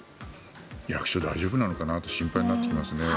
役所、大丈夫なのかな？と心配になってきますね。